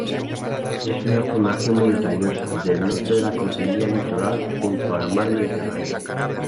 Es una formación montañosa del norte de la cordillera Litoral junto al mar Mediterráneo.